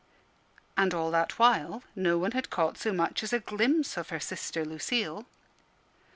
And all that while no one had caught so much as a glimpse of her sister, Lucille.